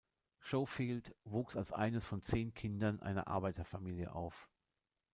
Schofield wuchs als eines von zehn Kindern einer Arbeiterfamilie auf.